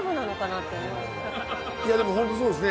いやでもホントそうですね